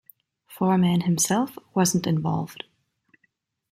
Foreman himself wasn't involved.